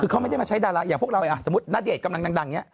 คือเขาไม่ได้มาใช้ดาราอย่างพวกเราสมมุติณเดชน์กำลังดังอย่างนี้